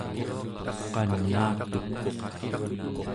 qanaatuk